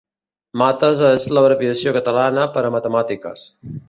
Mates és l'abreviació catalana per a matemàtiques